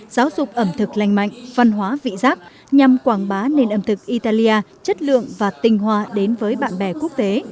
giáo dục ẩm thực lành mạnh văn hóa vị giác nhằm quảng bá nền ẩm thực italia chất lượng và tinh hoa đến với bạn bè quốc tế